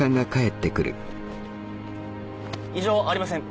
異常ありません。